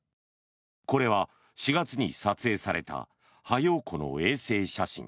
これは４月に撮影されたハヨウ湖の衛星写真。